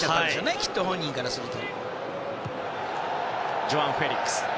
きっと、本人からすると。